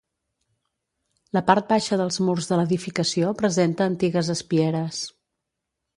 La part baixa dels murs de l'edificació presenta antigues espieres.